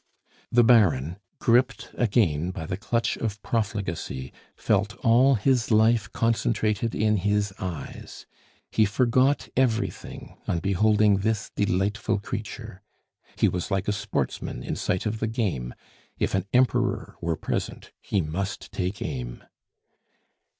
The Baron, gripped again by the clutch of profligacy, felt all his life concentrated in his eyes. He forgot everything on beholding this delightful creature. He was like a sportsman in sight of the game; if an emperor were present, he must take aim!